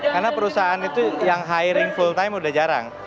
karena perusahaan itu yang hiring full time udah jarang